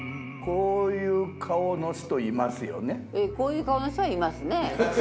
こういう顔の人はいますね。